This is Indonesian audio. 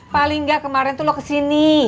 paling gak kemarin tuh lo kesini